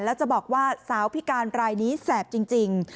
แล้วจะบอกว่าสาวพิการรายนี้แสบจริง